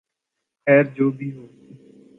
خیر جو بھی ہو